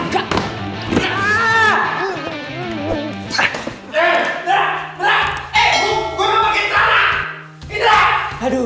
eh gua udah bikin salak